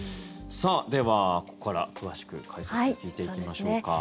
では、ここから、詳しく解説を聞いていきましょうか。